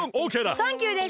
サンキューです！